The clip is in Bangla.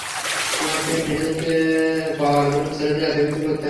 তো, মেয়েদেরকে পাওয়ার জন্য ছেলেদের এতকিছু করতে হয়?